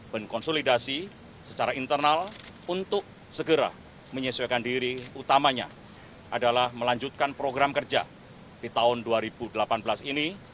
berkonsolidasi secara internal untuk segera menyesuaikan diri utamanya adalah melanjutkan program kerja di tahun dua ribu delapan belas ini